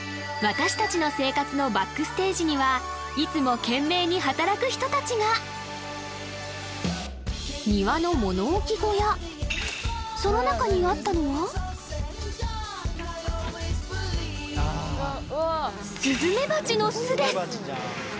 私達の生活のＢＡＣＫＳＴＡＧＥにはいつも懸命に働く人達が庭の物置小屋その中にあったのはスズメバチの巣です！